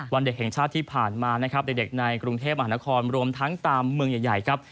วันเด็กแห่งชาติที่ผ่านมานะครับเด็กในกรุงเทพมหานครรวมทั้งตามเมืองใหญ่ครับ